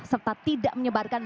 serta tidak menyebarkan